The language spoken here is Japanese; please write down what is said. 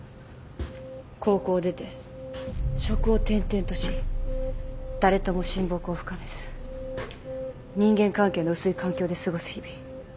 高校を出て職を転々とし誰とも親睦を深めず人間関係の薄い環境で過ごす日々。